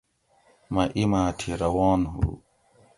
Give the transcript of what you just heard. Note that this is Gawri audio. مٞہ اِیماٞ تھی روان ہُو